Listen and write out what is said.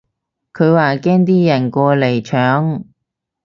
佢話驚啲人過嚟搶